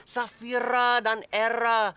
safira dan era